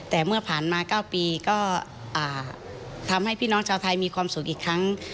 แต่เมื่อผ่านมา๙ปีก็ทำให้พี่น้องชาวไทยมีความสุขอีกครั้ง